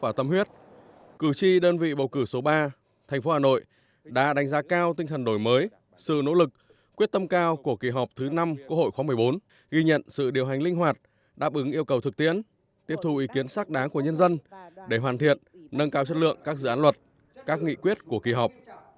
tại quận thanh xuân tổng bí thư nguyễn phú trọng và các đại biểu quốc hội hà nội đã có buổi tiếp xúc với cử tri đơn vị bầu cử số ba quận thanh xuân hà đông thành phố hà nội đã đánh giá cao tinh thần nổi mới sự nỗ lực quyết tâm cao của kỳ họp thứ năm quốc hội khóa một mươi bốn ghi nhận sự điều hành linh hoạt đáp ứng yêu cầu thực tiễn tiếp thù ý kiến sắc đáng của nhân dân để hoàn thiện nâng cao chất lượng các dự án luật các nghị quyết của kỳ họp